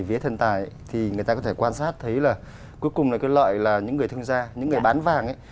vế thần tài thì người ta có thể quan sát thấy là cuối cùng là cái lợi là những người thương gia những người bán vàng ấy